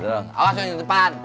awas yang depan